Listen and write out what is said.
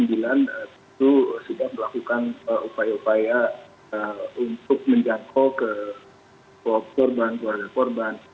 itu sudah melakukan upaya upaya untuk menjangkau ke korban keluarga korban